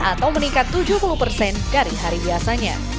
atau meningkat tujuh puluh persen dari hari biasanya